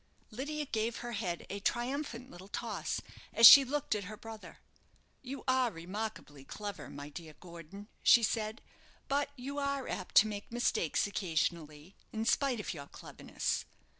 Lydia gave her head a triumphant little toss as she looked at her brother. "You are remarkably clever, my dear Gordon," she said; "but you are apt to make mistakes occasionally, in spite of your cleverness.